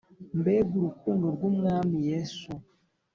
mbeg' urukundo rw'umwami yesu !